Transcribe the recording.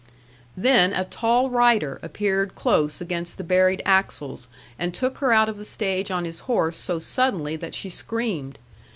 Then a tall rider appeared close against the buried axles, and took her out of the stage on his horse so suddenly that she screamed.